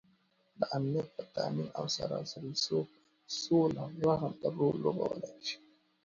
دامنیت په تآمین او سراسري سوله کې رغنده رول لوبوالی شي